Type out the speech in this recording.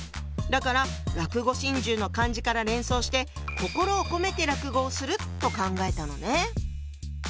だから「落語心中」の漢字から連想して「心を込めて落語をする」と考えたのね。